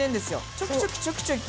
ちょきちょきちょきちょき。